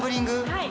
はい。